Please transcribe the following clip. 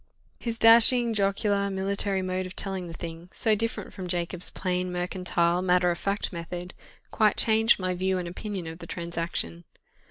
His dashing, jocular, military mode of telling the thing, so different from Jacob's plain, mercantile, matter of fact method, quite changed my view and opinion of the transaction.